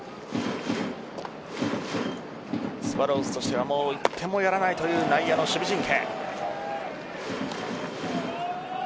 スワローズとしてはもう一点もやらないという内野の守備陣形。